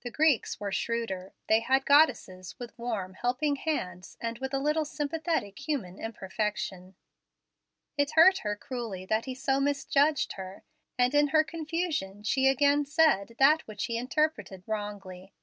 The Greeks were shrewder. They had goddesses with warm, helping hands, and with a little sympathetic, human imperfection." It hurt her cruelly that he so misjudged her; and in her confusion, she again said that which he interpreted wrongly.